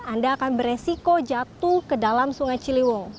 anda akan beresiko jatuh ke dalam sungai ciliwung